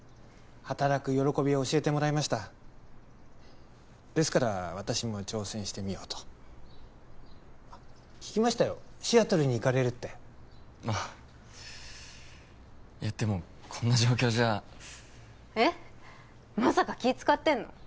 働く喜びを教えてもらいましたですから私も挑戦してみようとあっ聞きましたよシアトルに行かれるってあっいやでもこんな状況じゃえっまさか気使ってんの？